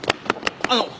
あの。